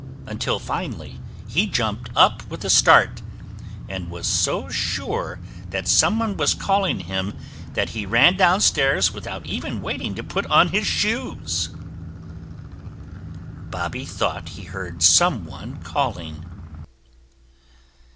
until finally he jumped up with a start, and was so sure that some one was calling him that he ran down stairs, without even waiting to put on his shoes. [Illustration: Bobby thought he heard someone calling.